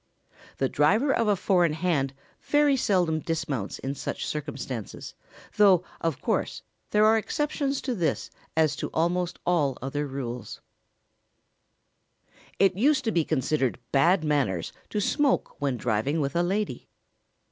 The driver of a four in hand very seldom dismounts in such circumstances, though, of course, there are exceptions to this as to almost all other rules. [Sidenote: On smoking when driving.] It used to be considered bad manners to smoke when driving with a lady.